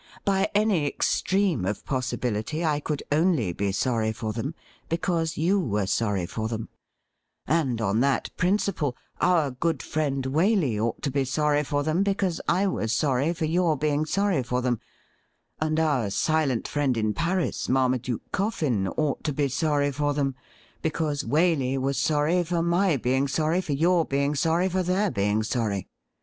By any extreme of possibility, I could only be sorry for them because you were sorry for them ; and on that principle our good friend Waley ought to be sorry for them because I was sorry for your being sorry for them, and our silent friend in Paris, Marmaduke Coffin, ought to be sorry for them because Waley was sorry for my being sorry for your being sorry for their being sorry.